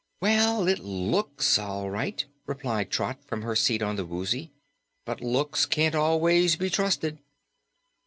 "Well, it LOOKS all right," replied Trot from her seat on the Woozy, "but looks can't always be trusted."